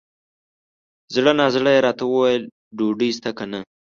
زړه نا زړه یې راته وویل ! ډوډۍ سته که نه؟